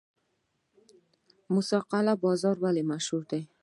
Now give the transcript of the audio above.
موسی قلعه بازار ولې مشهور دی؟